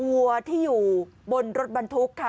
วัวที่อยู่บนรถบรรทุกค่ะ